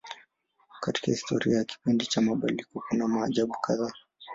Katika historia ya kipindi cha mabadiliko kuna maajabu kadhaa.